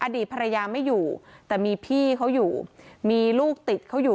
อดีตภรรยาไม่อยู่แต่มีพี่เขาอยู่มีลูกติดเขาอยู่